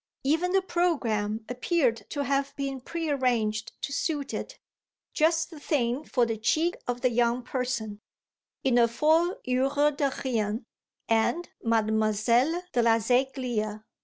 Even the programme appeared to have been prearranged to suit it, just the thing for the cheek of the young person Il ne Faut Jurer de Rien and Mademoiselle de la Seiglière.